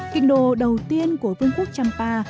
kinh đô đầu tiên của vương quốc trăm pa